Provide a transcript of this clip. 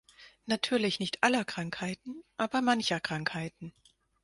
Natürlich nicht aller Krankheiten, aber mancher Krankheiten.